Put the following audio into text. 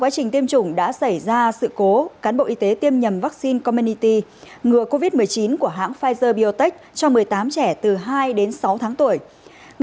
xin chào các bạn